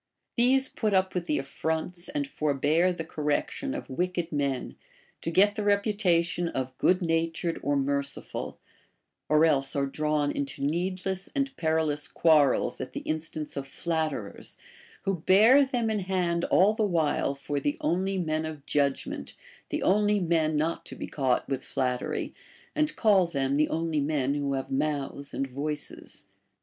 These put up with the afl'ronts and forbear the correction of wicked men, to get the reputation of good natured or merciful ; or else are drawn into needless and perilous quarrels at the instance of flatterers, who bear them in hand all the while for the only men of judgment, the only men not to be caught with flattery, and call them the only men who have mouths and voices.